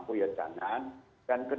itu kita jangan kerja